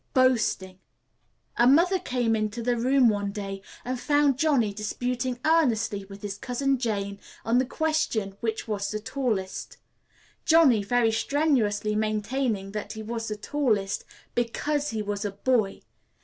Boasting. A mother came into the room one day and found Johnny disputing earnestly with his Cousin Jane on the question which was the tallest Johnny very strenuously maintaining that he was the tallest, because he was a boy.